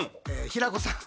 平子さん。